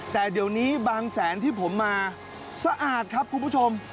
แต่เดี๋ยวนี้บางแสนที่ผมมาสะอาดครับคุณผู้ชม